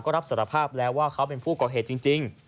รับสารภาพแล้วว่าเขาเป็นผู้ก่อเหตุจริง